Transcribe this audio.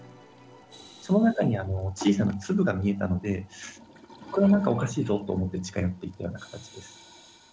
その中に小さな粒が見えたので、これなんかおかしいぞと思って近寄っていったような形です。